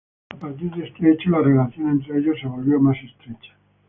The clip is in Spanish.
A partir de este hecho la relación entre ellos se volvió más estrecha.